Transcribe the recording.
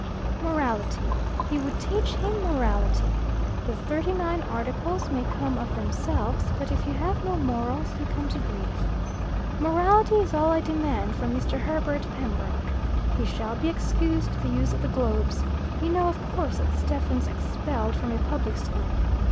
"Morality. He would teach him morality. The Thirty Nine Articles may come of themselves, but if you have no morals you come to grief. Morality is all I demand from Mr. Herbert Pembroke. He shall be excused the use of the globes. You know, of course, that Stephen's expelled from a public school?